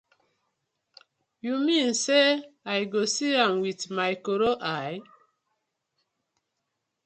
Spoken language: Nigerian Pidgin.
Yu mean say I go see am wit my koro eye?